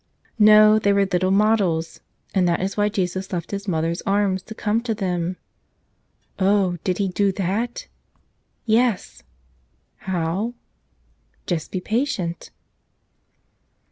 No; they were little models! And that is why Jesus left His Mother's arms to come to them. Oh, did He do that? Yes! How? Just be patient.